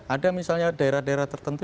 ada misalnya daerah daerah tertentu